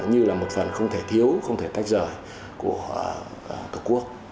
như là một phần không thể thiếu không thể tách rời của tổ quốc